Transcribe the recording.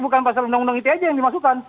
bukan pasar undang undang ite saja yang dimasukkan